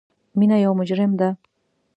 مینه یو مجرم ده